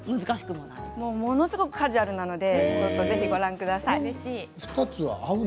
ものすごくカジュアルなのでぜひ、ご覧ください。